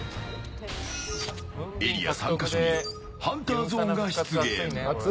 エリア３か所にハンターゾーンが出現。